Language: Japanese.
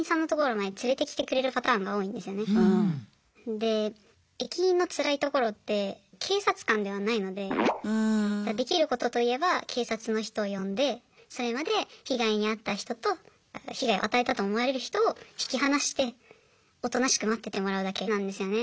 で駅員のつらいところって警察官ではないのでできることといえば警察の人を呼んでそれまで被害に遭った人と被害を与えたと思われる人を引き離しておとなしく待っててもらうだけなんですよね。